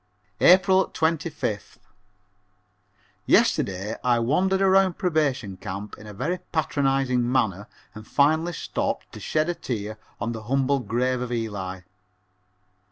April 25th. Yesterday I wandered around Probation Camp in a very patronizing manner and finally stopped to shed a tear on the humble grave of Eli.